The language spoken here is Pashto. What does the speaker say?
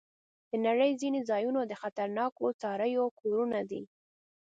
د نړۍ ځینې ځایونه د خطرناکو څارويو کورونه دي.